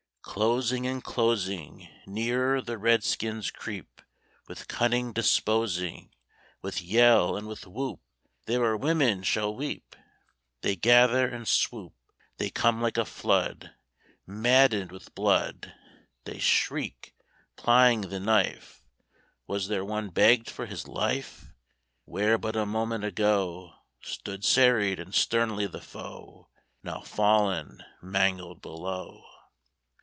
Closing and closing, Nearer the redskins creep; With cunning disposing, With yell and with whoop (There are women shall weep!), They gather and swoop, They come like a flood, Maddened with blood, They shriek, plying the knife (Was there one begged for his life?), Where but a moment ago Stood serried and sternly the foe, Now fallen, mangled below.